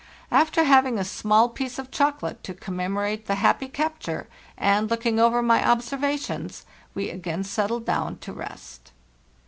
After having a small piece of chocolate to commemorate the happy capture, and, looking over my observations, we again settled down to rest.